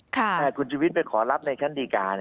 ถ้าคุณชุวิตไปขอรับในชั้นดีการ